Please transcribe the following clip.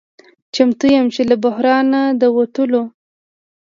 چمتو یم چې له بحران نه د وتلو